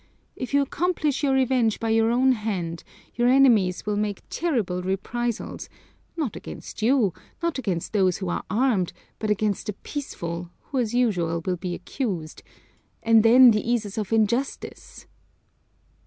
If you accomplish your revenge by your own hand, your enemies will make terrible reprisals, not against you, not against those who are armed, but against the peaceful, who as usual will be accused and then the eases of injustice!"